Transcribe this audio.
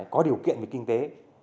có điều kiện về kinh tế